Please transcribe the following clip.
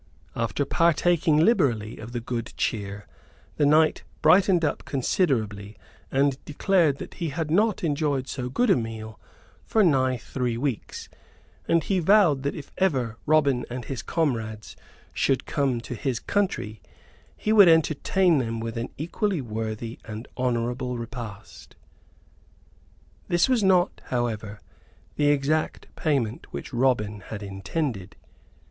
After partaking liberally of the good cheer, the knight brightened up considerably and declared that he had not enjoyed so good a meal for nigh three weeks; and he vowed that if ever Robin and his comrades should come to his country he would entertain them with an equally worthy and honorable repast. This was not, however, the exact payment which Robin had intended.